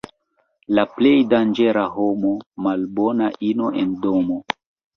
La plej danĝera homo — malbona ino en domo.